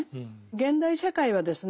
現代社会はですね